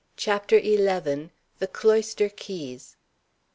CHAPTER XI. THE CLOISTER KEYS.